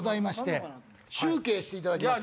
集計していただきます。